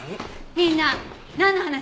みんななんの話？